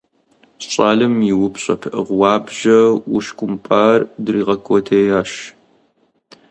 Щӏалэм и упщӀэ пыӀэ гъуабжэ ушкӀумпӀар дригъэкӀуэтеящ.